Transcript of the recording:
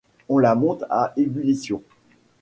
On la monte à ébullition.